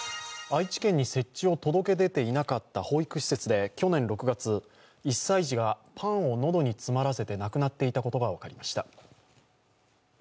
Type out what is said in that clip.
愛知県に設置を届けていなかった保育施設で去年６月、１歳児がパンをのどに詰まらせて亡くなっていたことが分かりました。